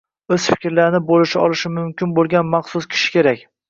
o‘z fikrlarini bo‘lisha olishi mumkin bo‘lgan maxsus kishi kerak